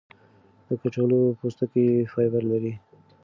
د کچالو پوستکی فایبر لري.